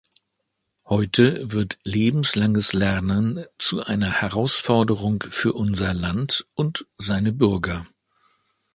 Heute wird lebenslanges Lernen zu einer Herausforderung für unser Land und seine Bürger.